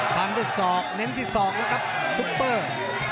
พันที่๒เน้นที่๒แล้วครับซุปเปอร์